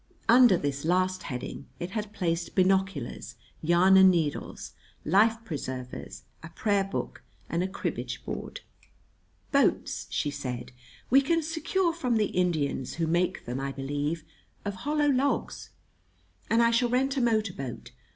Under this last heading it had placed binoculars, yarn and needles, life preservers, a prayer book, and a cribbage board. "Boats," she said, "we can secure from the Indians, who make them, I believe, of hollow logs. And I shall rent a motor boat.